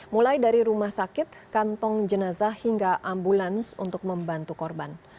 mulai dari rumah sakit kantong jenazah hingga ambulans untuk membantu korban